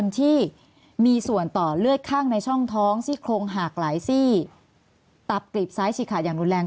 ที่มีส่วนต่อเลือดข้างในช่องท้องซี่โครงหักหลายซี่ตับกลีบซ้ายฉีกขาดอย่างรุนแรง